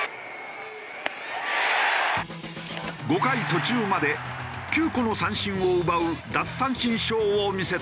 ５回途中まで９個の三振を奪う奪三振ショーを見せた。